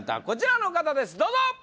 こちらの方ですどうぞ！